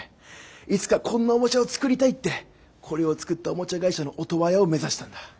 いつかこんなおもちゃを作りたいってこれを作ったおもちゃ会社のオトワヤを目指したんだ。